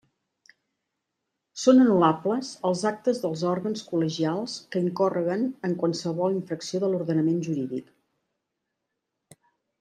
Són anul·lables els actes dels òrgans col·legials que incórreguen en qualsevol infracció de l'ordenament jurídic.